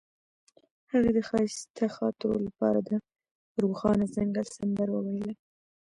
هغې د ښایسته خاطرو لپاره د روښانه ځنګل سندره ویله.